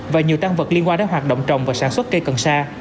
và nhiều tăng vật liên quan đến hoạt động trồng và sản xuất cây cần sa